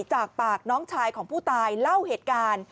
จากปากน้องชายของผู้ตายเล่าเหตุการณ์